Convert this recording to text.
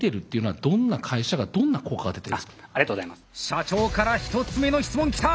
社長から１つ目の質問来た！